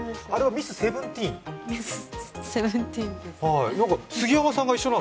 ミスセブンティーンに。